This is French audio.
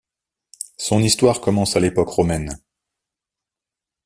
Son histoire commence à l'époque romaine.